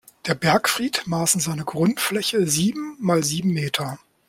Der Bergfried maß in seiner Grundfläche sieben mal sieben Meter.